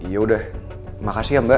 yaudah makasih ya mbak